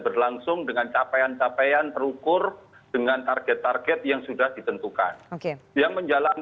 memang sengaja membiarkan memang